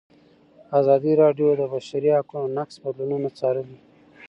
ازادي راډیو د د بشري حقونو نقض بدلونونه څارلي.